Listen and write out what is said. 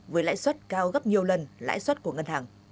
với lãi suất cao gấp nhiều lần lãi suất của ngân hàng